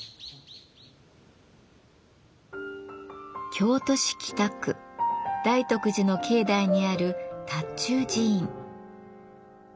京都市北区大徳寺の境内にある塔頭寺院。